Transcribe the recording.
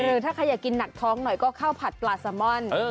หรือถ้าใครอยากกินหนักท้องหน่อยก็ข้าวผัดปลาซามอน